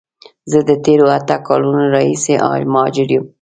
زه د تیرو اته کالونو راهیسی مهاجر یم.